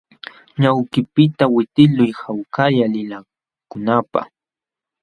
Ñawpaqniiypiqta witiqluy hawkalla likakunaapaq.